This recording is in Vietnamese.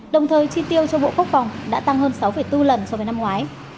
đồng thời chi tiêu cho bộ quốc phòng đã tăng hơn sáu bốn lần so với năm ngoái